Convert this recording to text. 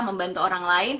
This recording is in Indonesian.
membantu orang lain